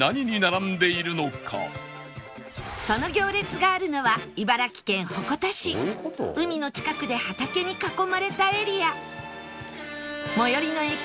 その行列があるのは海の近くで畑に囲まれたエリア